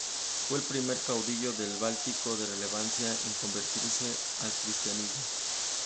Fue el primer caudillo del Báltico de relevancia en convertirse al cristianismo.